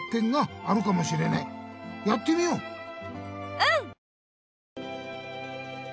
うん！